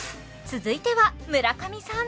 続いては村上さん